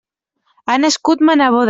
Ha nascut ma neboda.